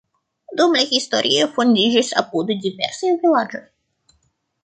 Dum la historio fondiĝis apude diversaj vilaĝoj.